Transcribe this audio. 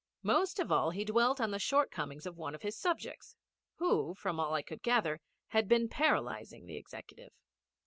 Most of all he dwelt on the shortcomings of one of his subjects, who, from all I could gather, had been paralysing the executive.